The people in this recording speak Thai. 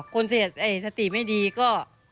คนเสียสติไม่ดีก็